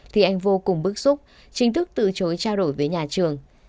thì anh vô cùng bức xúc chính thức từ chối trao đổi với nhà trường